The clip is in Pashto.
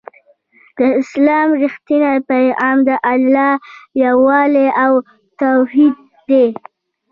د اسلام رښتينی پيغام د الله يووالی او توحيد دی